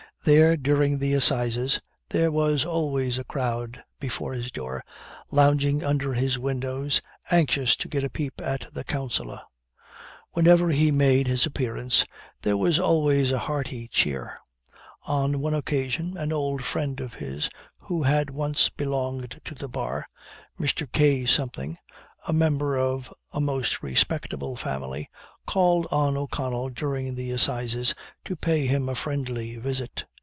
There, during the Assizes, there was always a crowd before his door, lounging under his windows, anxious to get a peep at the Counsellor. Whenever he made his appearance there was always a hearty cheer. On one occasion, an old friend of his, who had once belonged to the bar, Mr. K , a member of a most respectable family, called on O'Connell during the Assizes, to pay him a friendly visit.